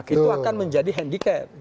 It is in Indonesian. itu akan menjadi handicap